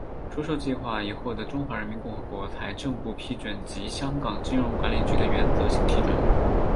出售计划已获得中华人民共和国财政部批准及香港金融管理局的原则性批准。